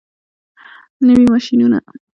نوي ماشینونه.